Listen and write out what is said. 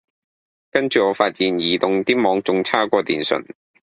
跟住我發現移動啲網仲係差過電信